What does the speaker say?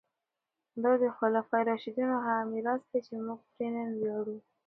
دا د خلفای راشدینو هغه میراث دی چې موږ پرې نن ویاړو.